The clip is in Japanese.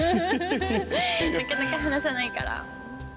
なかなか話さないから。